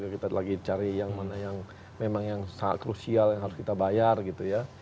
kita lagi cari yang mana yang memang yang sangat krusial yang harus kita bayar gitu ya